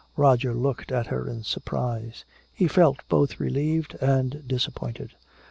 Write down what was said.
Roger looked at her in surprise. He felt both relieved and disappointed.